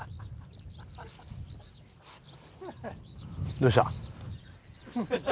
どうした？